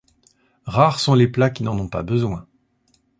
Rares sont les plats qui n'en ont pas besoin.